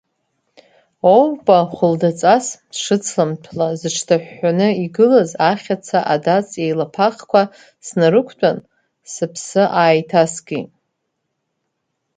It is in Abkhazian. Оупа хәылдаҵас, шыцламҭәла зыҽҭаҳәҳәаны игылаз ахьаца адац еилаԥахқәа снарықәтәан, сыԥсы ааиҭаскит.